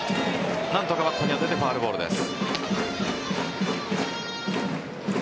何とかバットに当ててファウルボールです。